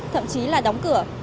thậm chí là đóng cửa